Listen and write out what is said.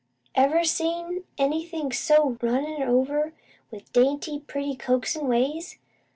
Ever see anything so runnin' over with dainty, pretty, coaxin' ways?